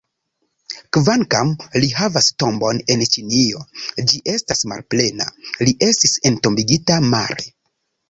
Kvankam li havas tombon en Ĉinio, ĝi estas malplena: li estis entombigita mare.